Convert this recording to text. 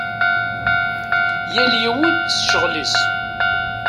Yal yiwen s ccɣel-is.